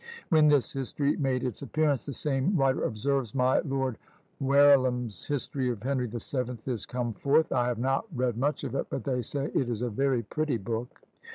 When this history made its appearance, the same writer observes, "My Lord Verulam's history of Henry the Seventh is come forth; I have not read much of it, but they say it is a very pretty book."